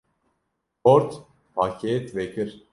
‘’ Xort, pakêt vekir.